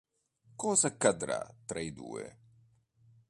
Cosa accadrà tra i due?